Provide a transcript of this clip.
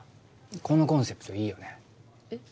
このコンセプトいいよねえっ？